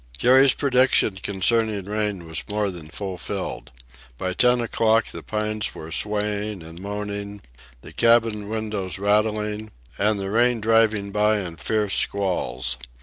Jerry's prediction concerning rain was more than fulfilled. By ten o'clock the pines were swaying and moaning, the cabin windows rattling, and the rain driving by in fierce squalls.